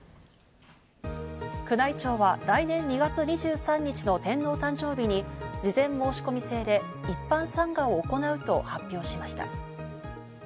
宮内庁は来年２月２３日の天皇誕生日に事前申し込み制で一般参賀を行うと発表しました。